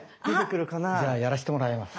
じゃあやらせてもらいます。